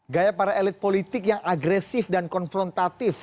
gaya para elit politik yang agresif dan konfrontatif